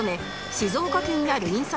静岡県にある印刷